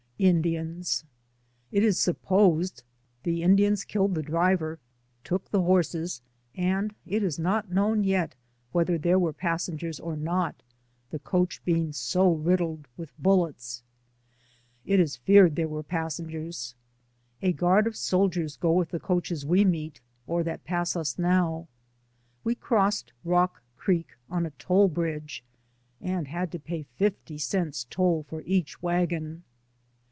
INDIANS. It is supposed the Indians killed the driver, took the horses, and it is not known yet whether there were passengers or not, the coach being so riddled with bullets; it is 152 DAYS ON THE ROAD. feared there were passengers. A guard of soldiers go with the coaches we meet, or that pass us now. We crossed Rock Creek on a toll bridge, and had to pay fifty cents toll for each wagon.